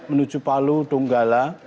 menuju palu dunggala